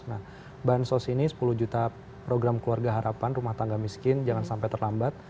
nah bansos ini sepuluh juta program keluarga harapan rumah tangga miskin jangan sampai terlambat